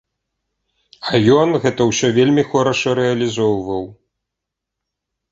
А ён гэта ўсё вельмі хораша рэалізоўваў.